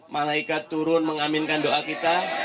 malaikat turun mengaminkan doa kita